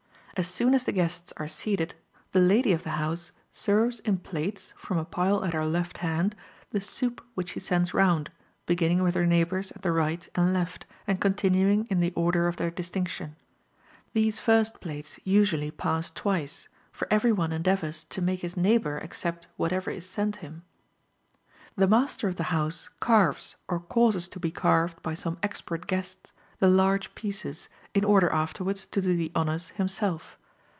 As soon as the guests are seated, the lady of the house serves in plates, from a pile at her left hand, the soup which she sends round, beginning with her neighbors at the right and left, and continuing in the order of their distinction. These first plates usually pass twice, for every one endeavors to make his neighbor accept whatever is sent him. The master of the house carves or causes to be carved by some expert guests, the large pieces, in order afterwards to do the honors himself.